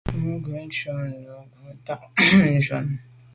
Mə ghʉ̌ nshun ncʉ’ Mə ghʉ̌ tà’ nshunə.